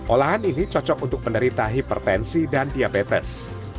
olahan ini cocok untuk penderita hipertensi dan diabetes